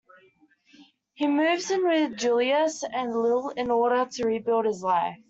He moves in with Julius and Lil in order to rebuild his life.